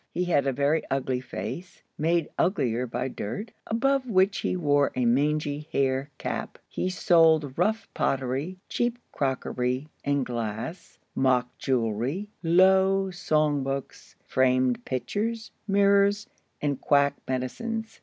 He had a very ugly face, made uglier by dirt, above which he wore a mangy hair cap. He sold rough pottery, cheap crockery and glass, mock jewelry, low song books, framed pictures, mirrors, and quack medicines.